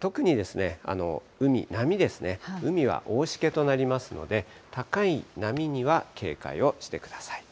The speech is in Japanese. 特に海、波ですね、海は大しけとなりますので、高い波には警戒をしてください。